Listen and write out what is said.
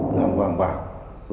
hàng hoàng bạc